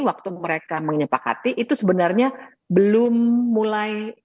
waktu mereka menyepakati itu sebenarnya belum mulai